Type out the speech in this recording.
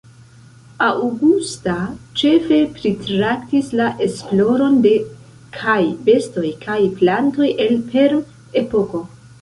Augusta ĉefe pritraktis la esploron de kaj bestoj kaj plantoj el perm-epoko.